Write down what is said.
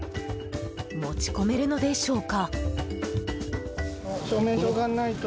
持ち込めるのでしょうか？